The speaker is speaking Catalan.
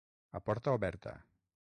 A porta oberta.